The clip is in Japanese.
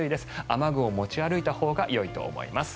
雨具を持ち歩いたほうがよいと思います。